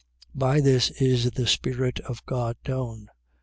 By this is the spirit of God known.